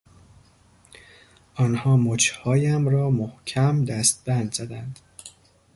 آنها مچهایم را محکم دستبند زدند.